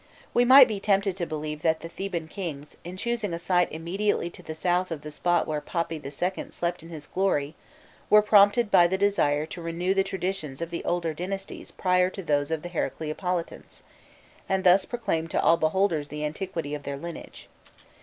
We might be tempted to believe that the Theban kings, in choosing a site immediately to the south of the spot where Papi II. slept in his glory, were prompted by the desire to renew the traditions of the older dynasties prior to those of the Heracleopolitans, and thus proclaim to all beholders the antiquity of their lineage.